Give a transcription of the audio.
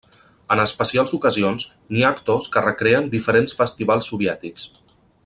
En especials ocasions n'hi ha actors que recreen diferents festivals soviètics.